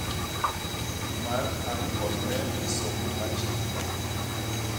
Man a ñkon me minsoñ mi matjél.